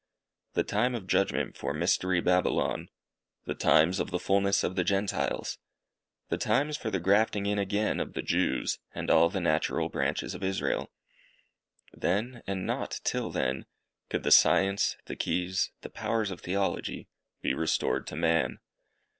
The time of judgment for "Mystery Babylon." The times of "the fulness of the Gentiles." The times for the grafting in again of the Jews, and all the natural branches of Israel. Then, and not till then, could the science, the keys, the powers of Theology, be restored to man.